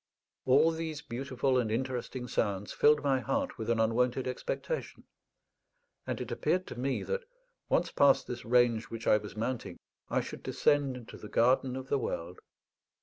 All these beautiful and interesting sounds filled my heart with an unwonted expectation; and it appeared to me that, once past this range which I was mounting, I should descend into the garden of the world.